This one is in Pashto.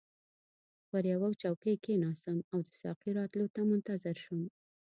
پر یوه چوکۍ کښیناستم او د ساقي راتلو ته منتظر شوم.